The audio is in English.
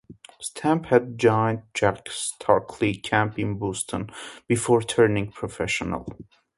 Stamp had joined Jack Sharkey's Camp in Boston before turning professional.